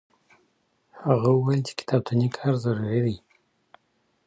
هغه وويل چي کتابتوني کار ضروري دي!.